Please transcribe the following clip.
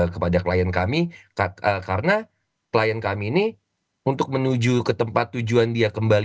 kepada klien kami karena klien kami ini untuk menuju ke tempat tujuan dia kembali